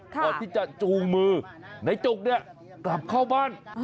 ก่อนที่จะจูงมือในจุกเนี่ยกลับเข้าบ้าน